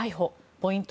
ポイント